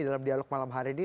dalam dialog malam hari ini